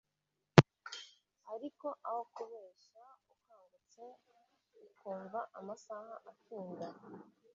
Ariko ah kubeshya ukangutse ukumva amasaha atinda